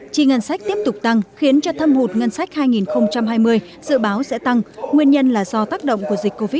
chi ngân sách tiếp tục tăng khiến cho thâm hụt ngân sách hai nghìn hai mươi dự báo sẽ tăng nguyên nhân là do tác động của dịch covid một mươi chín